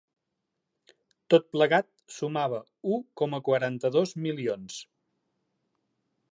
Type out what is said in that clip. Tot plegat sumava u coma quaranta-dos milions.